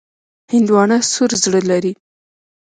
هندوانه سور زړه لري.